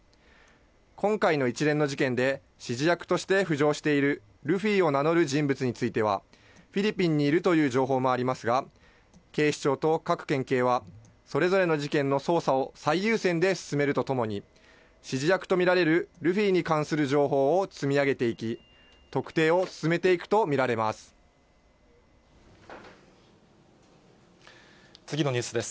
今回の一連の事件で、指示役として浮上しているルフィを名乗る人物については、フィリピンにいるという情報もありますが、警視庁と各県警は、それぞれの事件の捜査を最優先で進めるとともに、指示役と見られるルフィに関する情報を積み上げていき、特定を進めていくと見られます。